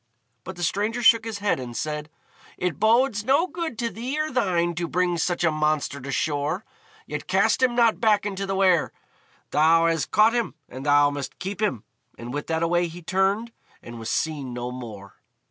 But the stranger shook his head, and said, "It bodes no good to thee or thine to bring such a monster to shore. Yet cast him not back into the Wear; thou has caught him, and thou must keep him," and with that away he turned, and was seen no more.